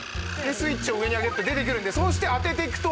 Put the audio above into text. スイッチを上に上げると出てくるんでそして当てていくと。